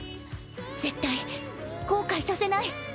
絶対後悔させない。